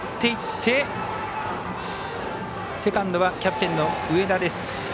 セカンドはキャプテンの上田です。